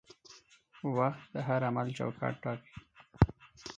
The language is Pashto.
وخت د هر عمل چوکاټ ټاکي.